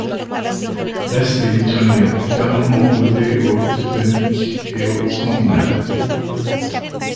Restent les Lituaniens, fermement opposés aux Teutoniques et aux Scandinaves.